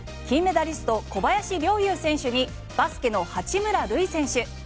金メダリスト、小林陵侑選手にバスケの八村塁選手。